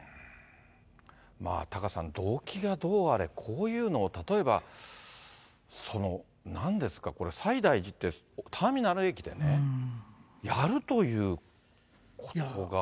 まあ、タカさん、動機がどうあれ、こういうのを、例えば、なんですか、これ、西大寺って、ターミナル駅でね、やるということが。